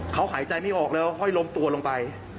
เขาหายใจไม่ออกแล้วห้อยล้มตัวลงไป